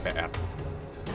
fahri hamzah kpu dan kpu